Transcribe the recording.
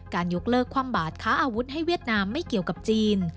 ยกเลิกคว่ำบาดค้าอาวุธให้เวียดนามไม่เกี่ยวกับจีน